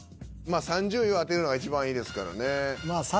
３０位を当てるのがいちばんいいですからね。